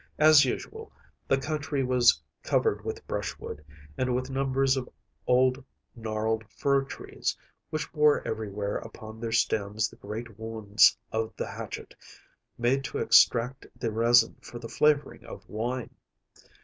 As usual, the country was covered with brushwood, and with numbers of old gnarled fir trees, which bore everywhere upon their stems the great wounds of the hatchet, made to extract the resin for the flavoring of wine.